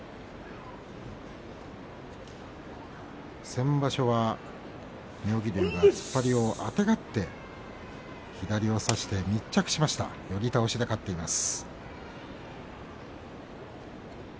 先場所は妙義龍が突っ張りをあてがって左を差して、密着しました寄り倒して勝っています。